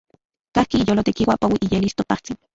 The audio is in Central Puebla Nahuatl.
Kajki iyolo tekiua, poui iyelis ToTajtsin.